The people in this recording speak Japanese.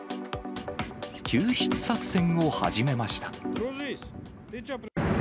救出作戦を始めました。